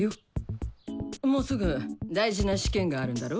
もうすぐ大事な試験があるんだろ？